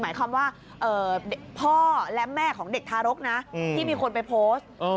หมายความว่าพ่อและแม่ของเด็กทารกนะที่มีคนไปโพสต์